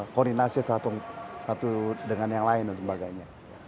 koordinasi satu dengan yang lain dan sebagainya